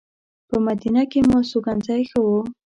په مدینه کې مو استوګنځی ښه و.